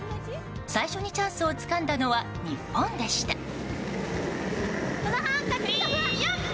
最初にチャンスをつかんだのは日本でした。